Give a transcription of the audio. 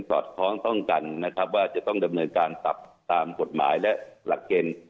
อดคล้องต้องกันนะครับว่าจะต้องดำเนินการปรับตามกฎหมายและหลักเกณฑ์